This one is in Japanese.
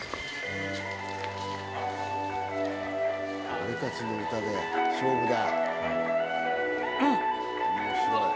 俺たちの歌で勝負だ。